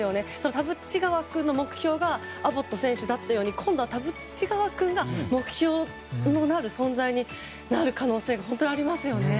田渕川君の目標がアボット選手だったように今度は田渕川君が目標の存在になる可能性がありますね。